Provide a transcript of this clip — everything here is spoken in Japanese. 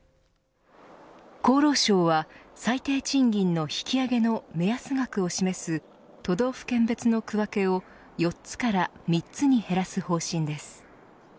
厚労省は最低賃金の引き上げの目安額を示す都道府県別の区分けを４つから３つに減らす方針です。